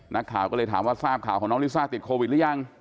นักข่าวก็เลยถามว่าทราบข่าวของน้องลิซ่าติดโควิดหรือยัง